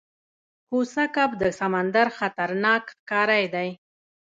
کوسه کب د سمندر خطرناک ښکاری دی